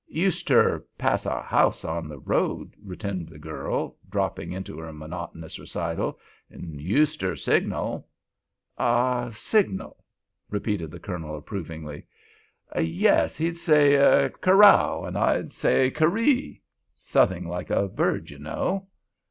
"Useter pass our house on the road," returned the girl, dropping into her monotonous recital, "and useter signal." "Ah, signal?" repeated the Colonel, approvingly. "Yes! He'd say 'Kerrow,' and I'd say 'Kerree.' Suthing like a bird, you know."